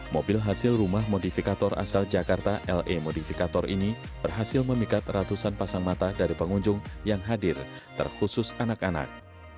mobil hasil rumah modifikator asal jakarta la modificator ini berhasil memikat ratusan pasang mata dari pengunjung yang hadir terkhusus anak anak